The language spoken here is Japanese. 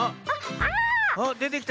あっでてきた。